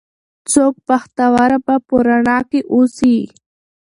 څوک بختوره به په رڼا کې اوسي